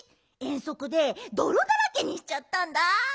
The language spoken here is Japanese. えんそくでどろだらけにしちゃったんだ。